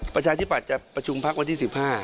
ประชาธิบัติจะประชุมพักวันที่๑๕